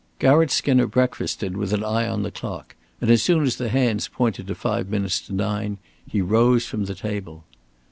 Garratt Skinner breakfasted with an eye on the clock, and as soon as the hands pointed to five minutes to nine, he rose from the table.